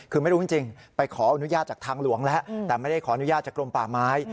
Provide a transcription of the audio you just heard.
คือไม่รู้จริงไปขออนุญาตจากทางหลวงแล้วแต่ไม่ได้ขออนุญาตจากกรมป่าไม้